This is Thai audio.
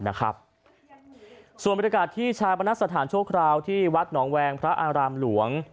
ก็ตามนะครับส่วนบริการที่ชาวบรรณสถานชั่วคราวที่วัดหนองแวงพระอารามหลวง